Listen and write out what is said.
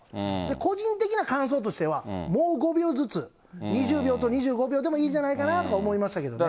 個人的な感想としては、もう５秒ずつ、２０秒と２５秒でもいいじゃないかなとか思いましたけどね。